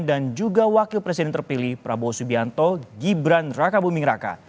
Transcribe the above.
dan juga wakil presiden terpilih prabowo subianto gibran raka buming raka